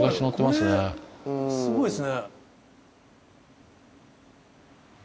すごいですね。